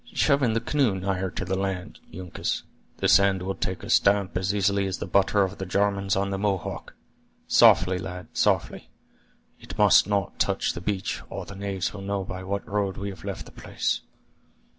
Shove in the canoe nigher to the land, Uncas; this sand will take a stamp as easily as the butter of the Jarmans on the Mohawk. Softly, lad, softly; it must not touch the beach, or the knaves will know by what road we have left the place."